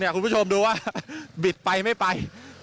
คุณผู้ชมดูว่าบิดไปไม่ไป